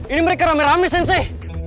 ini mereka rame rame sih